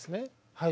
はい。